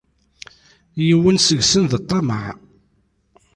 Yiwen seg-sen d ṭṭameε.